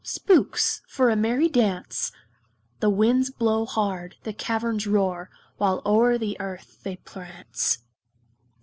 Spooks, for a merry dance." The winds blow hard, the caverns roar, While o'er the earth they prance.